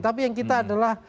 tapi yang kita adalah